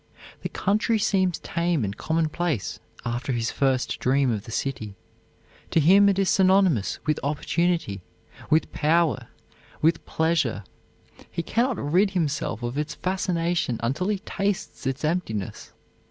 The country seems tame and commonplace after his first dream of the city. To him it is synonymous with opportunity, with power, with pleasure. He can not rid himself of its fascination until he tastes its emptiness.